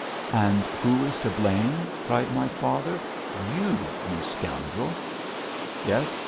"And who is to blame?" cried my father. "You, you scoundrel!" "Yes.